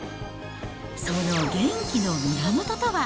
その元気の源とは。